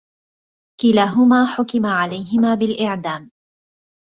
كلاهما حُكِم عليهما بالإعدام.